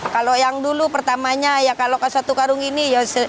kalau yang dulu pertamanya kalau satu karung ini